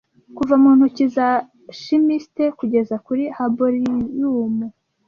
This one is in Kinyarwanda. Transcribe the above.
kuva mu ntoki za chimiste kugeza kuri herbarium